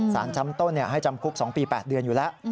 สารชั้นต้นให้จำคุก๒ปี๘เดือนอยู่แล้ว